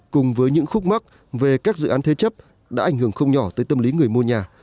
cùng với những khúc mắc về các dự án thế chấp đã ảnh hưởng không nhỏ tới tâm lý người mua nhà